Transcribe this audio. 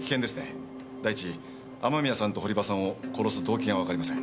第一雨宮さんと堀場さんを殺す動機がわかりません。